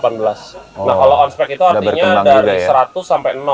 nah kalau onspek itu artinya dari seratus sampai